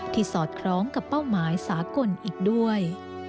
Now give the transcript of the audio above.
สอดคล้องกับเป้าหมายสากลอีกด้วย